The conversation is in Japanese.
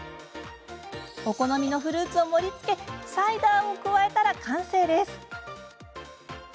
お好みのフルーツを盛りつけサイダーを加えたら完成です。